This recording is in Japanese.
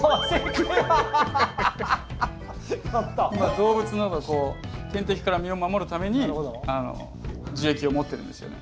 動物などの天敵から身を守るために樹液を持ってるんですよね。